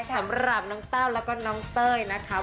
สำหรับน้องแต้วแล้วก็น้องเต้ยนะคะ